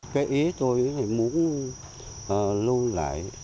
cái ý tôi muốn luôn lại